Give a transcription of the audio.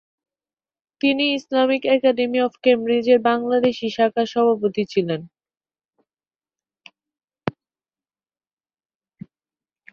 তিনি Islamic academy of কেমব্রিজের বাংলাদেশী শাখার সভাপতি ছিলেন।